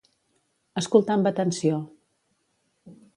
Escoltar amb atenció.